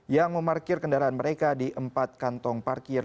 yang memarkir kendaraan mereka di empat kantong parkir